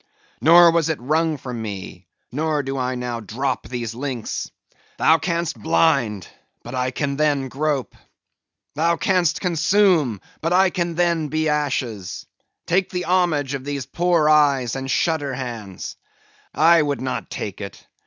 Nor was it wrung from me; nor do I now drop these links. Thou canst blind; but I can then grope. Thou canst consume; but I can then be ashes. Take the homage of these poor eyes, and shutter hands. I would not take it.